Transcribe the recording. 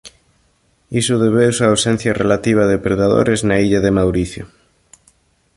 Iso debeuse á ausencia relativa de predadores na illa de Mauricio.